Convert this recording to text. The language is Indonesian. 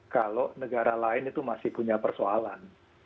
kalau negara lain itu masih punya persoalan